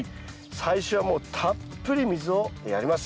最初はもうたっぷり水をやります。